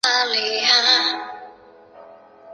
夸塔是巴西圣保罗州的一个市镇。